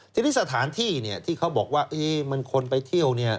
ทีนี้สถานที่ที่เขาบอกว่ามันควรไปเที่ยว